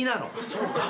そうか。